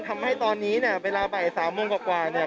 ทำให้ตอนนี้เนี่ยเวลาบ่าย๓โมงกว่าเนี่ย